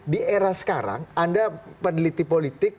di era sekarang anda peneliti politik